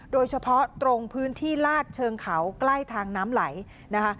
โดยเฉพาะตรงพื้นที่ลาดเชิงเขาใกล้ทางน้ำไหลนะคะ